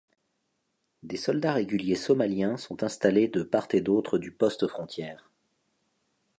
Des soldats réguliers somaliens sont installés de part et d’autre du poste-frontière.